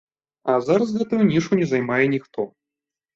А зараз гэтую нішу не займае ніхто.